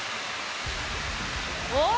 おっ！